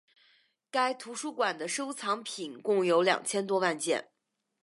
该图书馆的收藏品共有两千多万件。